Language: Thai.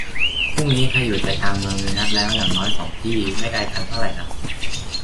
พรุ่งนี้ ใครอยู่ใจกลางเมืองมีนัดแล้วอย่างน้อยสองที่ ไม่ไกลกันเท่าไรนัก